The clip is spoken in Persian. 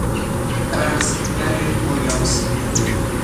رقصگر عریان سینه